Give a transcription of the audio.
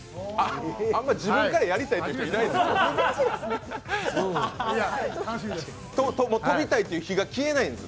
あんまり自分からやりたいと言う人いないですよ。